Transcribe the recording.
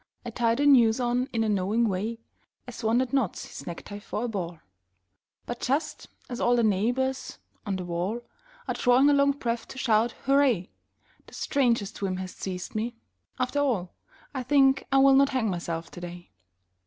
I tie the noose on in a knowing way As one that knots his necktie for a ball; But just as all the neighbours on the wall Are drawing a long breath to shout 'Hurray!' The strangest whim has seized me ... After all I think I will not hang myself today.